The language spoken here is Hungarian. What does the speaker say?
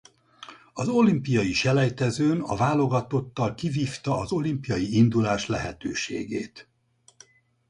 Az olimpiai selejtezőn a válogatottal kivívta az olimpiai indulás lehetőségét.